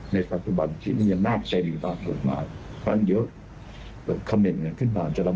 ไม่ได้อันนั้นไม่ได้ดีแล้วเดี๋ยวว่าจะไปให้กับแหละ